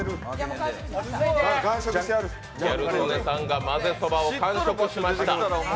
ギャル曽根さんがまぜそばを完食しました。